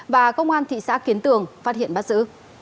và công an thị xã kiến tường phát hiện bắt giữ